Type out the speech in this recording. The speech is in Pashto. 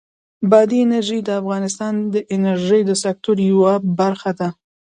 بادي انرژي د افغانستان د انرژۍ د سکتور یوه برخه ده.